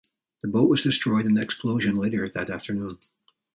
The boat was destroyed in the explosion later that afternoon.